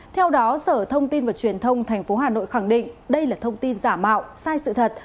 theo đó sở thông tin và truyền thông tp hà nội khẳng định đây là thông tin giả mạo sai sự thật